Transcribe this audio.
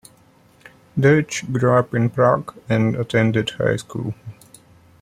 Deutsch grew up in Prague, and attended high school.